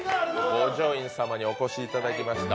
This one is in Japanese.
五条院様にお越しいただきました。